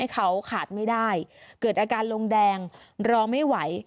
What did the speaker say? เขาขาดไม่ได้เกิดอาการลงแดงรอไม่ไหว